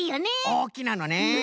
おおきなのね。